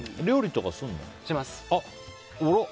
します。